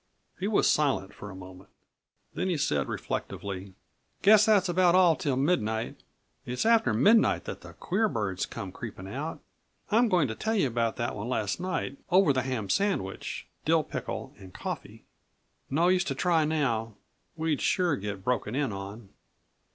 He was silent for a moment then he said reflectively: "Guess that's about all till midnight. It's after midnight that the queer birds come creeping out. I'm going to tell you about that one last night, over the ham sandwich, dill pickle and coffee. No use to try now—we'd sure get broken in on."